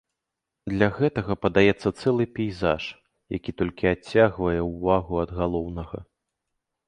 Для гэтага падаецца цэлы пейзаж, які толькі адцягвае ўвагу ад галоўнага.